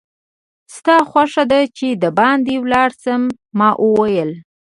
ستا خوښه ده چې دباندې ولاړ شم؟ ما وویل.